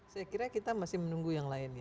saya kira kita masih menunggu yang lainnya